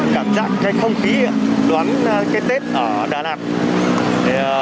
cảm giác không khí đoán cái tết ở đà lạt